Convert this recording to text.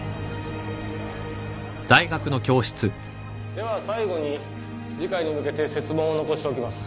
では最後に次回に向けて設問を残しておきます。